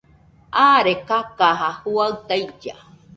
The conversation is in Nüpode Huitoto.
Aare kakaja juaɨ tailla